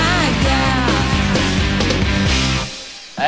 gara garaan yang rapi